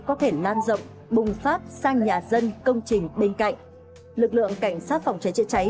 có thể lan rộng bùng phát sang nhà dân công trình bên cạnh lực lượng cảnh sát phòng cháy chữa cháy